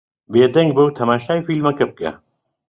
بێدەنگ بە و تەماشای فیلمەکە بکە.